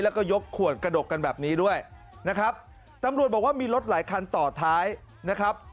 แล้วก็ยกขวดกระดกกันแบบนี้ด้วยนะครับตำรวจบอกว่ามีรถหลายคันต่อท้ายนะครับ